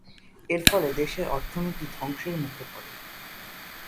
এর ফলে দেশের অর্থনীতি ধ্বংসের মুখে পড়ে।